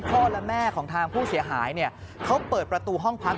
และแม่ของทางผู้เสียหายเนี่ยเขาเปิดประตูห้องพัก